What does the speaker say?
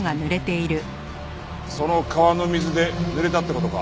その川の水でぬれたって事か？